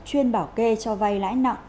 chuyên bảo kê cho vay lãi nặng